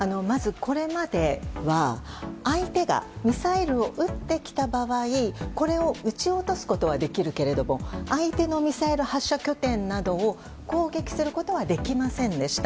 まず、これまでは相手がミサイルを撃ってきた場合これを撃ち落とすことはできるけれども相手のミサイル発射拠点などを攻撃することはできませんでした。